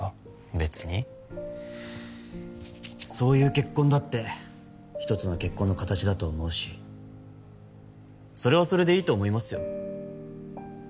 別にそういう結婚だって一つの結婚の形だと思うしそれはそれでいいと思いますよ